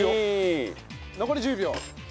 残り１０秒。